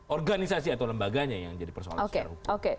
organisasi atau lembaganya yang jadi persoalan secara hukum